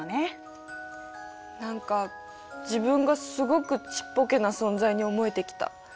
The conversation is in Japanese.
何か自分がすごくちっぽけな存在に思えてきた。